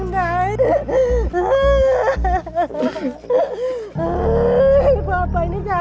แล้วเรารู้ว่า